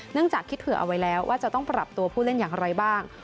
จากคิดเผื่อเอาไว้แล้วว่าจะต้องปรับตัวผู้เล่นอย่างไรบ้าง